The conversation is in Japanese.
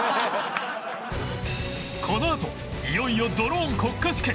このあといよいよドローン国家試験